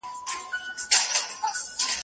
صوفي او حاکم